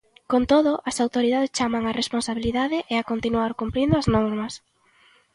Con todo, as autoridades chaman á responsabilidade e a continuar cumprindo as normas.